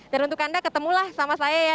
dan untuk anda ketemulah sama saya ya